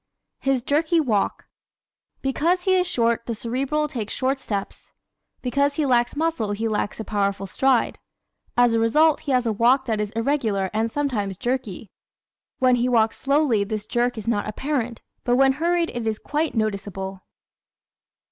His Jerky Walk ¶ Because he is short the Cerebral takes short steps. Because he lacks muscle he lacks a powerful stride. As a result he has a walk that is irregular and sometimes jerky. When he walks slowly this jerk is not apparent, but when hurried it is quite noticeable.